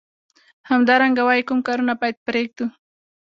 همدارنګه وايي کوم کارونه باید پریږدو.